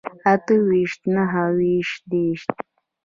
اته ويشت نهه ويشت دېرش